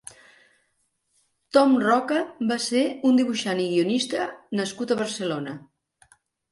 Tom Roca va ser un dibuixant i guionista nascut a Barcelona.